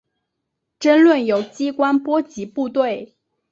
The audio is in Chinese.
争论由机关波及部队。